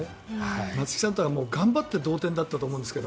松木さんは頑張って同点だったと思うんですが。